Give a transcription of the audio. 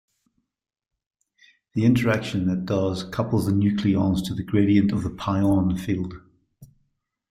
The interaction that does couples the nucleons to the "gradient" of the pion field.